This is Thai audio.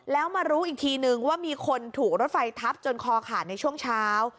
แล้วมารู้อีกทีนึงว่ามีคนถูกรถไฟทับจนคอขาดในช่วงเช้า